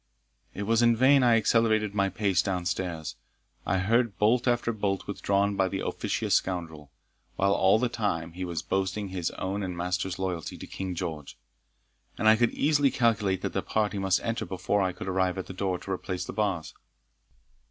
It was in vain I accelerated my pace down stairs; I heard bolt after bolt withdrawn by the officious scoundrel, while all the time he was boasting his own and his master's loyalty to King George; and I could easily calculate that the party must enter before I could arrive at the door to replace the bars.